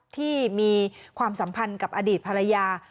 ที่มีความสัมพันธ์กับอดีตภรรยา